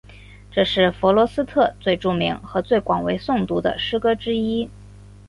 这是弗罗斯特最著名和最广为诵读的诗歌之一。